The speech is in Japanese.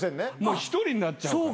１人になっちゃうから。